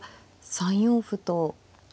３四角と。